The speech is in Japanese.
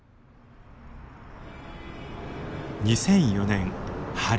２００４年春。